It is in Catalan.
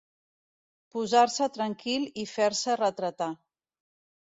Posar-se tranquil i fer-se retratar.